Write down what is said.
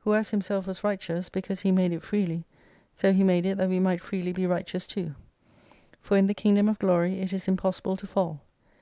Who as Himself was righteous, because He made it freely, so He made it that we might freely be righteous too. For in the Kingdom of Glory it is impossible to fall.